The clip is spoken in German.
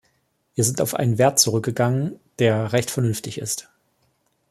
Wir sind auf einen Wert zurückgegangen, der recht vernünftig ist.